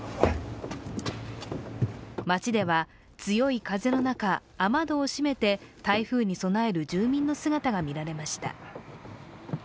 街では強い風の中、雨戸を閉めて台風に備える住民の姿が見られました。